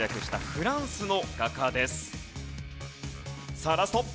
さあラスト